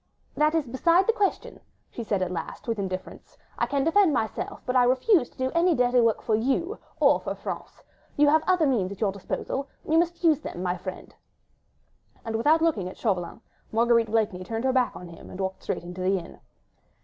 "That is beside the question," she said at last with indifference. "I can defend myself, but I refuse to do any dirty work for you—or for France. You have other means at your disposal; you must use them, my friend." And without another look at Chauvelin, Marguerite Blakeney turned her back on him and walked straight into the inn.